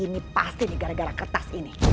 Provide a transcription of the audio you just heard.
ini pasti nih gara gara kertas ini